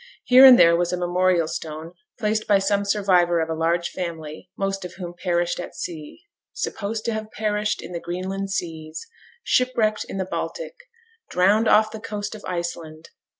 Here and there was a memorial stone, placed by some survivor of a large family, most of whom perished at sea: 'Supposed to have perished in the Greenland seas,' 'Shipwrecked in the Baltic,' 'Drowned off the coast of Iceland.'